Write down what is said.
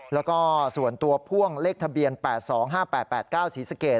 แล้วก็ส่วนตัวพ่วงเลขทะเบียน๘๒๕๘๘๙ศรีสะเกด